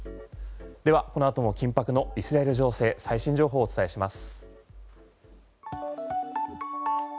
でがこの後も緊迫のイスラエル情勢最新情報をお伝えします。